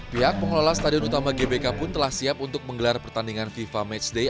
pihak pengelola stadion utama gbk pun telah siap untuk menggelar pertandingan fifa matchday